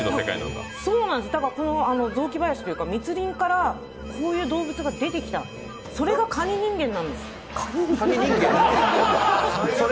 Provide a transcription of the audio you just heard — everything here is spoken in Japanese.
だから、雑木林というか密林からこういう動物が出てきた、それがかに人間なんです。